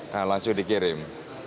nah langsung dikirim